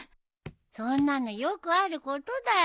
そんなのよくあることだよ。